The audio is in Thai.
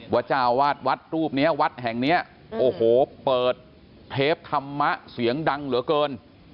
เจ้าวาดวัดรูปนี้วัดแห่งเนี้ยโอ้โหเปิดเทปธรรมะเสียงดังเหลือเกิน